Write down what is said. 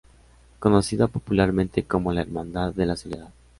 Conocida popularmente como la Hermandad de la Soledad.